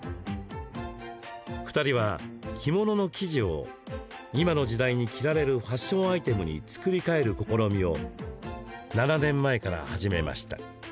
２人は着物の生地を今の時代に着られるファッションアイテムに作り替える試みを７年前から始めました。